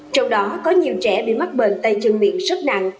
trong đó có nhiều trẻ bị mắc bệnh tay chân miệng rất nặng